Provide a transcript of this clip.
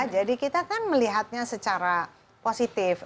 jadi kita kan melihatnya secara positif